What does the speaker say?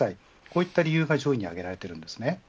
こういった理由が上位に挙げられています。